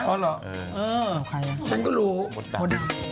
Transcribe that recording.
อ๋อเหรอฉันก็รู้หมดแล้ว